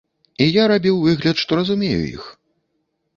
І я рабіў выгляд, што разумею іх.